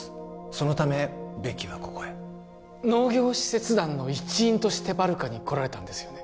そのためベキはここへ農業使節団の一員としてバルカに来られたんですよね？